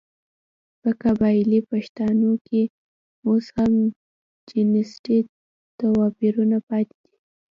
په قبايلي پښتانو کې اوس هم جنسيتي تواپيرونه پاتې دي .